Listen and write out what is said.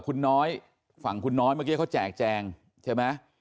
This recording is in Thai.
คุณน้อยฝั่งคุณน้อยเมื่อกี้เขาแจกแจงใช่ไหม